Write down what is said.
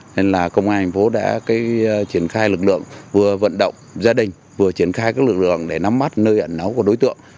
nên là công an thành phố đã triển khai lực lượng vừa vận động gia đình vừa triển khai các lực lượng để nắm mắt nơi ẩn náu của đối tượng